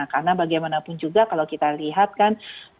karena bagaimanapun juga kalau kita lihat kan